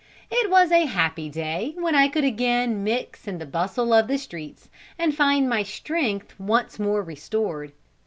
It was a happy day when I could again mix in the bustle of the streets, and find my strength once more restored.